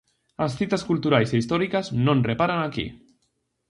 As citas culturais e históricas non reparan aquí.